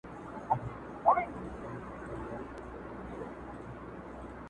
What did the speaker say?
هسي نه زړه مي د هیلو مقبره سي,